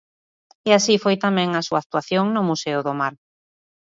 E así foi tamén a súa actuación do Museo do Mar.